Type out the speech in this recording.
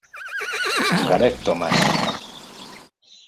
Gareth Thomas